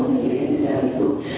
menemukan orang lain di saat itu